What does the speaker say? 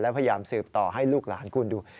พยายามสืบต่อให้ลูกหลานคุณดู